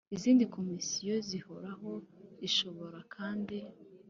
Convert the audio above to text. izindi Komisiyo zihoraho Ishobora kandi